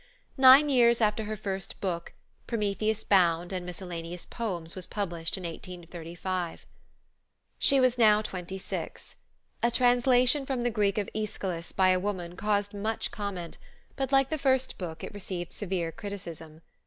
Nine years after her first book, Prometheus Bound and Miscellaneous Poems was published in 1835. She was now twenty six. A translation from the Greek of Aeschylus by a woman caused much comment, but like the first book it received severe criticism.